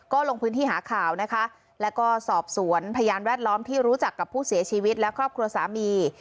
ก็ลงพื้นที่หาข่าวนะคะแล้วก็สอบสวนพยานแวดล้อมที่รู้จักกับผู้เสียชีวิตและครอบครัวสามี